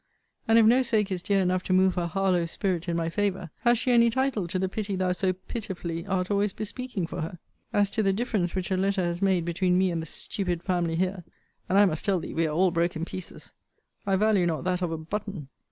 And if no sake is dear enough to move her Harlowe spirit in my favour, has she any title to the pity thou so pitifully art always bespeaking for her? As to the difference which her letter has made between me and the stupid family here, [and I must tell thee we are all broke in pieces,] I value not that of a button.